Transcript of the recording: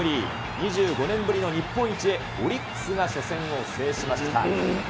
２５年ぶりの日本一へ、オリックスが初戦を制しました。